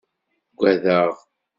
Uggadeɣ.